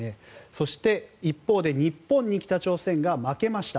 そして、一方で日本に北朝鮮が負けました。